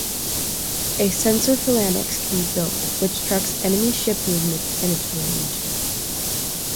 A Sensor Phalanx can be built, which tracks enemy ship movements in its range.